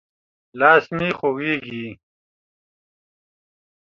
لاس مې خوږېږي.